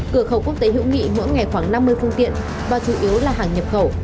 cửa khẩu quốc tế hữu nghị mỗi ngày khoảng năm mươi phương tiện và chủ yếu là hàng nhập khẩu